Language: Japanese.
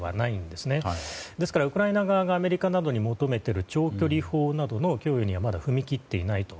ですから、ウクライナ側がアメリカに求めている長距離砲などの供与にはまだ至っていないと。